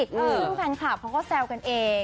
ซึ่งแฟนคลับเขาก็แซวกันเอง